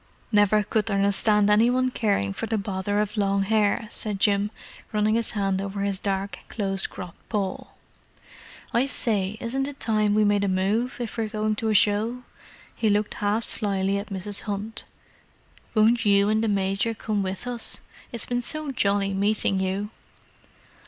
"Never could understand any one caring for the bother of long hair," said Jim, running his hand over his dark, close cropped poll. "I say, isn't it time we made a move, if we're going to a show?" He looked half shyly at Mrs. Hunt. "Won't you and the Major come with us? It's been so jolly meeting you."